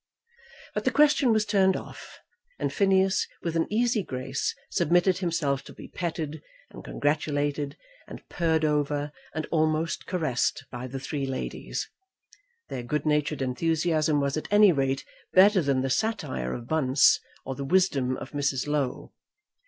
But the question was turned off, and Phineas, with an easy grace, submitted himself to be petted, and congratulated, and purred over, and almost caressed by the three ladies, Their good natured enthusiasm was at any rate better than the satire of Bunce, or the wisdom of Mrs. Low.